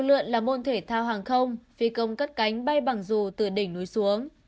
rủi ro là môn thể thao hàng không phi công cắt cánh bay bằng dù từ đỉnh núi xuống